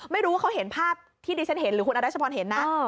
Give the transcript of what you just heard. ไม่รู้ว่าเขาเห็นภาพที่ดิฉันเห็นหรือคุณอรัชพรเห็นนะ